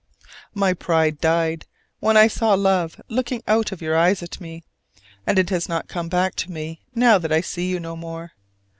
My pride died when I saw love looking out of your eyes at me; and it has not come back to me now that I see you no more.